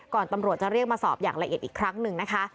ตำรวจจะเรียกมาสอบอย่างละเอียดอีกครั้งหนึ่งนะคะ